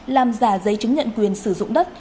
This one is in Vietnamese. làm giả giấy chứng nhận quyền sử dụng đất